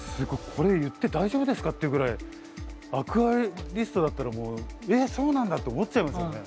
これ言って大丈夫ですかっていうぐらいアクアリストだったらもう「えっそうなんだ」って思っちゃいますよね。